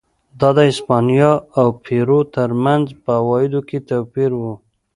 دا د هسپانیا او پیرو ترمنځ په عوایدو کې توپیر و.